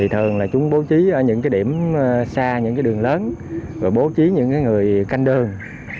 thường là chúng bố trí ở những điểm xa những đường lớn và bố trí những người canh đường